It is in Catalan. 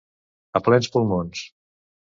A plens pulmons.